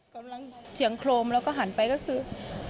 กำลังเสียงโครมแล้วก็หันไปก็คือ